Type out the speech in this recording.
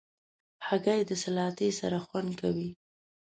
هګۍ د سلاتې سره خوند کوي.